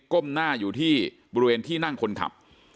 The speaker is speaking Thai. ก้มหน้าอยู่ที่บริเวณที่นั่งคนขับ